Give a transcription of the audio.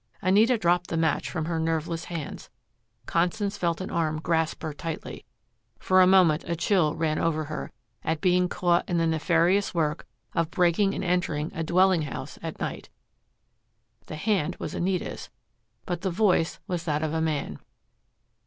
Anita dropped the match from her nerveless hands. Constance felt an arm grasp her tightly. For a moment a chill ran over her at being caught in the nefarious work of breaking and entering a dwelling house at night. The hand was Anita's, but the voice was that of a man.